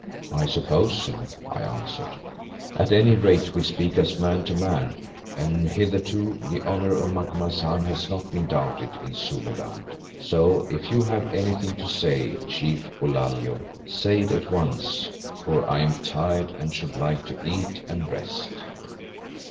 "I suppose so," I answered. "At any rate we speak as man to man, and hitherto the honour of Macumazahn has not been doubted in Zululand. So if you have anything to say, Chief Bulalio, say it at once, for I am tired and should like to eat and rest."